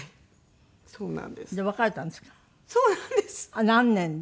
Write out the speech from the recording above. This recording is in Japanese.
あっ何年で？